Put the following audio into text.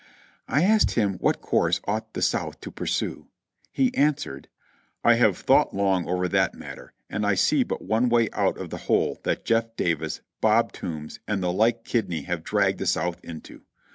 I asked him what course ought the South to pursue. He answered : "I have thought long over that matter, and I see but one way out of the hole that Jeff Davis, Bob Toombs, and the like kidney have dragged the South into.